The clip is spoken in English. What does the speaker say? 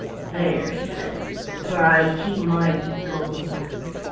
"There," he said, "is where I keep my gold.